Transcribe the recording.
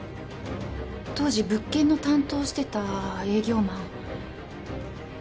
当時物件の担当をしてた営業マン古田和人。